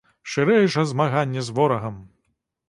Шырэй жа змаганне з ворагам!